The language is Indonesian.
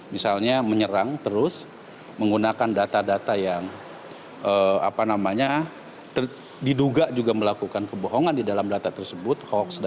misalnya menyerang terus menggunakan data data yang diduga juga melakukan kebohongan di dalam data tersebut